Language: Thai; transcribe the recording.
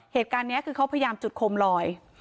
เหตุการณ์นี้คือเขาพยายามจุดโคมลอย